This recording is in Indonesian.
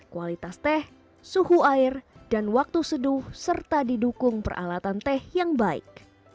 kualitas teh suhu air dan waktu seduh serta didukung peralatan teh yang baik